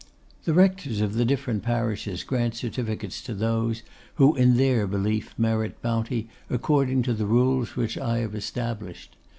'The rectors of the different parishes grant certificates to those who in their belief merit bounty according to the rules which I have established.